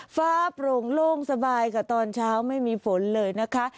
ฟ้าโปร่งโล่งสบายค่ะตอนเช้าไม่มีฝนเลยนะคะ